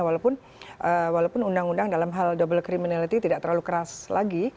walaupun undang undang dalam hal double criminality tidak terlalu keras lagi